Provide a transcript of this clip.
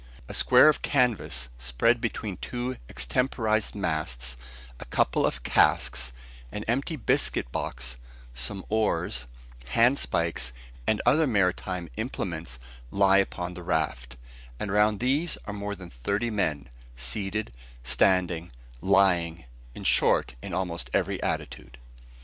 A square of canvas spread between two extemporised masts, a couple of casks, an empty biscuit box, some oars, handspikes, and other maritime implements, lie upon the raft; and around these are more than thirty men, seated, standing, lying, in short, in almost every attitude.